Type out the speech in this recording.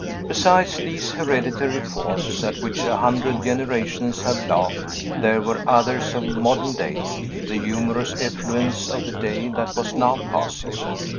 Besides these hereditary forms, at which a hundred generations have laughed, there were others of modern date, the humorous effluence of the day that was now passing.